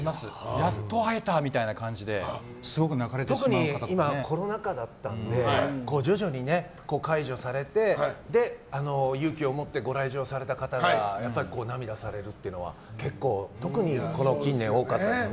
やっと会えたみたいな感じで特に今、コロナ禍だったので徐々に解除されて、勇気を持ってご来場された方が涙されるというのは結構、特にこの近年多かったですね。